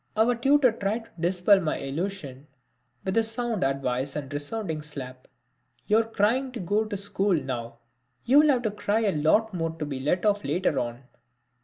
Our tutor tried to dispel my illusion with sound advice and a resounding slap: "You're crying to go to school now, you'll have to cry a lot more to be let off later on."